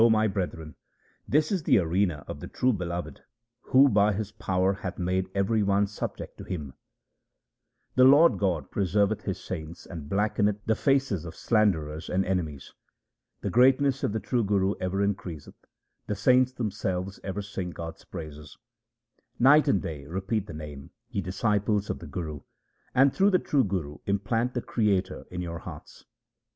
my brethren, this is the arena of the true Beloved who by His power hath made every one subject to Him. HYMNS OF GURU RAM DAS 305 The Lord God preserveth His saints and blackeneth the faces of slanderers and enemies. The greatness of the true Guru ever increaseth ; the saints themselves ever sing God's praises. Night and day repeat the Name, ye disciples of the Guru, and through the true Guru implant the Creator in your hearts.